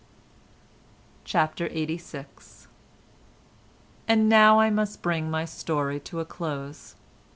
CHAPTER LXXXVI And now I must bring my story to a close.